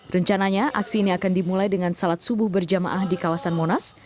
rencananya aksi ini akan dimulai dengan salat subuh berjamaah di kawasan monas